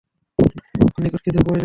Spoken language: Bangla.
ওর নিখুঁত কিছুর প্রয়জোন নেই।